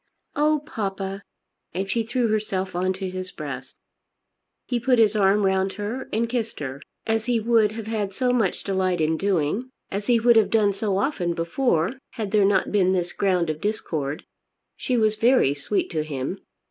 "Oh, papa!" and she threw herself on to his breast. He put his arm round her and kissed her, as he would have had so much delight in doing, as he would have done so often before, had there not been this ground of discord. She was very sweet to him.